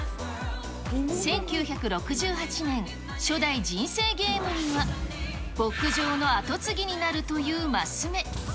１９６８年、初代人生ゲームには、牧場のあとつぎになるというマス目。